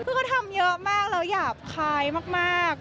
ก็ก็ทำเยอะมากเรายับคลายมาก